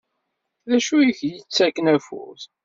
Dacu i ak-yettakken afud?